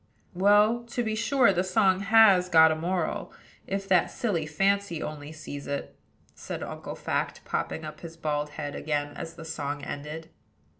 "Well, to be sure the song has got a moral, if that silly Fancy only sees it," said Uncle Fact, popping up his bald head again as the song ended.